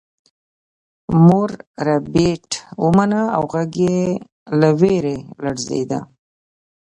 مور ربیټ ومنله او غږ یې له ویرې لړزیده